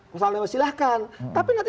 pasalnya silahkan tapi nanti